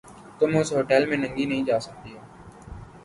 تم اِس ہوٹیل میں ننگی نہیں جا سکتی ہو۔